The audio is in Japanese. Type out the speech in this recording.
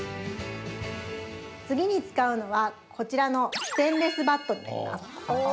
次に使うのは、こちらのステンレスバットになります。